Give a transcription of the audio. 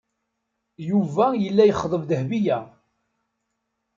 Yuba yella yexḍeb Dahbiya.